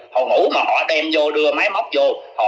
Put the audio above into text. họ ngủ mà họ đem vô đưa máy móc ra